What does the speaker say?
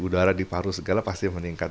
udara di paru segala pasti meningkat